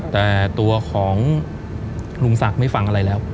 แต่ตัวของลุงศักดิ์ไม่ฟังอะไรแล้ว